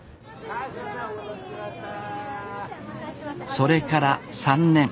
それから３年。